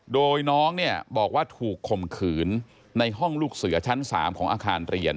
โดยน้องเนี่ยบอกว่าถูกข่มขืนในห้องลูกเสือชั้น๓ของอาคารเรียน